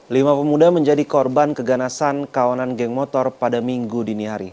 lima pemuda menjadi korban keganasan kawanan geng motor pada minggu dini hari